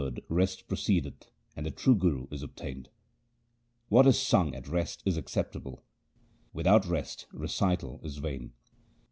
It is from the Word rest proceedeth and the true God is obtained. What is sung at rest is acceptable ; without rest recital is vain.